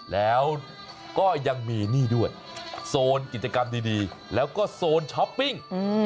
แล้วก็ยังมีนี่ด้วยโซนกิจกรรมดีแล้วก็โซนช้อปปิ้ง